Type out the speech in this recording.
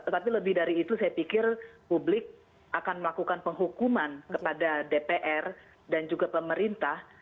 tetapi lebih dari itu saya pikir publik akan melakukan penghukuman kepada dpr dan juga pemerintah